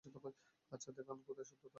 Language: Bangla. আচ্ছা, দেখান কোথায় সততা?